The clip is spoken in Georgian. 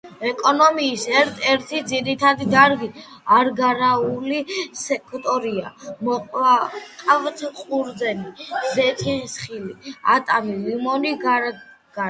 ეკონომიკის ერთ-ერთი ძირითადი დარგი აგრარული სექტორია, მოყავთ ყურძენი, ზეთისხილი, ატამი, ლიმონი, გარგარი.